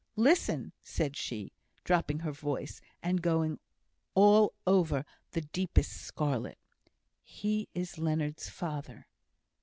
"Listen," said she, dropping her voice, and going all over the deepest scarlet; "he is Leonard's father!